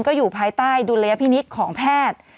ก็อยู่ภายใต้ดุลยพินิษฐ์ของแพทย์